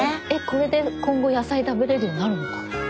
これで今後野菜食べれるようになるのかな？